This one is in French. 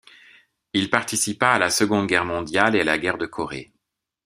Il participa à la Seconde Guerre mondiale et à la guerre de Corée.